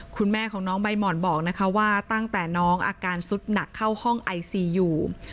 คุณแม่ของน้องใบหม่อนบอกนะคะว่าตั้งแต่น้องอาการสุดหนักเข้าห้องไอซีอยู่